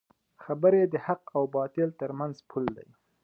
خبرې د حق او باطل ترمنځ پول دی